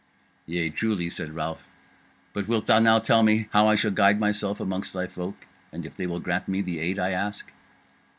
"Yea truly," said Ralph, "but wilt thou now tell me how I shall guide myself amongst thy folk, and if they will grant me the aid I ask?"